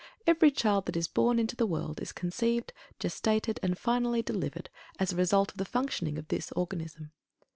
Every child that is born into the world is conceived, gestated, and finally delivered as a result of the functioning of this organism.